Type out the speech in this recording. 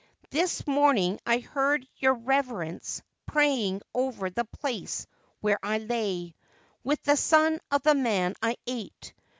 This morning I heard your reverence praying over the place where I lay, with the son of the man I ate.